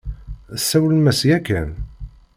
Tesawlem-as yakan?